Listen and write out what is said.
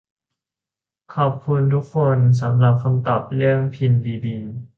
ขอบคุณทุกคนสำหรับคำตอบเรื่องพินบีบี